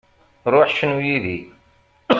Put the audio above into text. Ruḥ, cnu yid-i.